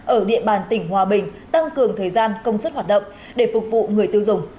ở địa bàn tỉnh hòa bình tăng cường thời gian công suất hoạt động để phục vụ người tiêu dùng